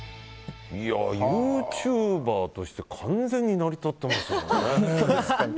ユーチューバーとして完全に成り立ってますね。